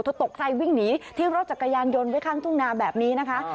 ตกใจวิ่งหนีที่รถจักรยานยนต์ไว้ข้างทุ่งนาแบบนี้นะคะ